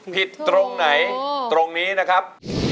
ตรงไหนตรงนี้นะครับ